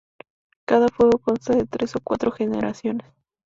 Cada fuego constaba de tres o cuatro generaciones.